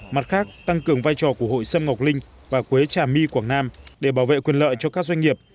mặt khác tăng cường vai trò của hội sâm ngọc linh và quế trà my quảng nam để bảo vệ quyền lợi cho các doanh nghiệp